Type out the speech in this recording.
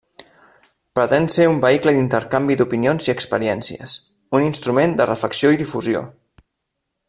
Pretén ser un vehicle d'intercanvi d'opinions i experiències, un instrument de reflexió i difusió.